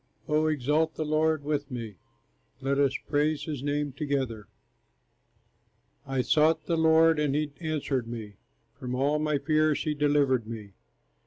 O exalt the Lord with me, Let us praise his name together. I sought the Lord and he answered me, From all my fears he delivered me.